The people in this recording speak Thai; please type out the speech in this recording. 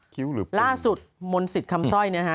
คิ้วหรือเปลืองล่าสุดมนศิษย์คำสร้อยนี่ฮะ